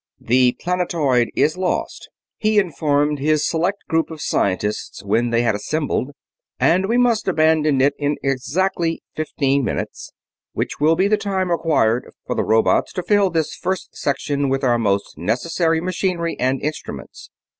"The planetoid is lost," he informed his select group of scientists when they had assembled, "and we must abandon it in exactly fifteen minutes, which will be the time required for the robots to fill this first section with our most necessary machinery and instruments.